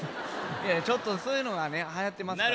ちょっとそういうのがねはやってますからね。